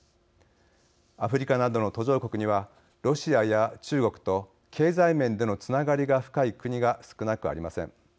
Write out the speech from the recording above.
アフリカなどの途上国にはロシアや中国と経済面でのつながりが深い国が少なくありません。